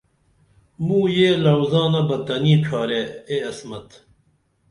موں یہ لعوزانہ بہ تنی ڇھارے اے عصمت